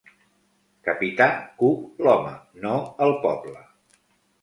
Capità Cook l'home, no el poble.